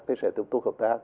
thì sẽ tiếp tục hợp tác